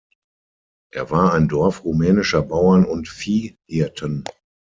Er war ein Dorf rumänischer Bauern und Viehhirten.